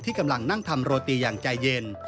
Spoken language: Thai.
กำลังนั่งทำโรตีอย่างใจเย็น